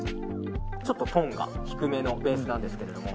ちょっとトーンが低めのベースなんですけども。